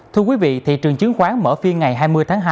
thưa quý vị thị trường chứng khoán mở phiên ngày hai mươi tháng hai